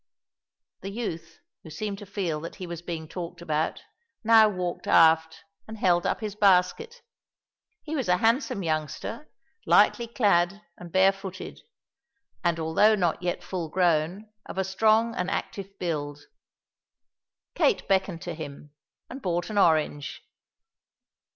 The youth, who seemed to feel that he was being talked about, now walked aft, and held up his basket. He was a handsome youngster, lightly clad and barefooted; and, although not yet full grown, of a strong and active build. Kate beckoned to him, and bought an orange.